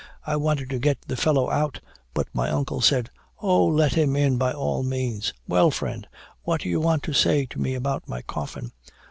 I wanted to get the fellow out, but my uncle said, 'Oh! let him in by all means. Well, friend, what do you want to say to me about my coffin?'